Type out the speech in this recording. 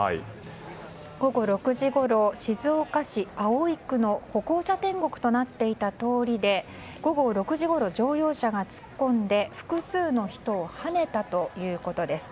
午後６時ごろ、静岡市葵区の歩行者天国となっていた通りで午後６時ごろ乗用車が突っ込んで複数の人をはねたということです。